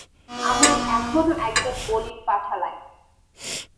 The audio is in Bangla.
আমার এখনো একজন বলির পাঠা লাগবে।